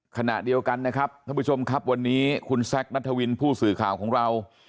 ขณะเดียวกันนะครับท่านผู้ชมครับวันนี้คุณแซคนัทวินผู้สื่อข่าวของเรา